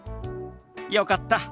よかった。